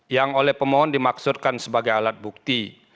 yang oleh pemohon dimaksudkan sebagai alat bukti